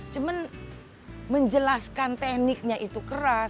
cuman menjelaskan tekniknya itu keras